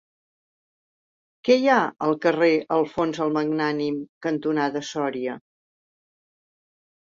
Què hi ha al carrer Alfons el Magnànim cantonada Sòria?